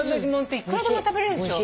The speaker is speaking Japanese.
いくらでも食べれるでしょ。